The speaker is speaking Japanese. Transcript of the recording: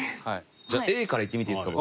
じゃあＡからいってみていいですか？